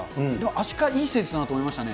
アシカ、いいセンスだなと思いましたね。